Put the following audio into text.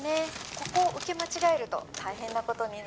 「ここを受け間違えると大変な事になりますね」